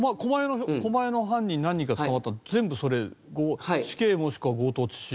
狛江の犯人何人か捕まったの全部それ死刑もしくは強盗致死。